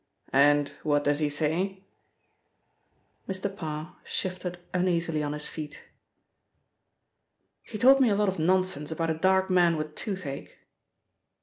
"And what does he say?" Mr. Parr shifted uneasily on his feet. "He told me a lot of nonsense about a dark man with toothache."